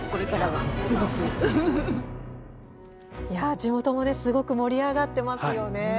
地元もすごく盛り上がっていますよね。